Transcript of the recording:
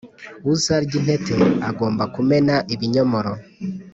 uzarya intete agomba kumena ibinyomoro.